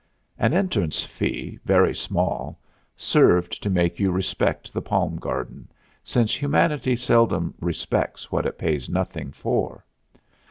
An entrance fee, very small, served to make you respect the Palm Garden, since humanity seldom respects what it pays nothing for.